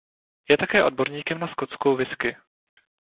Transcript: Je také odborníkem na skotskou whisky.